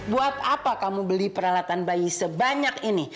buat apa kamu beli peralatan bayi sebanyak ini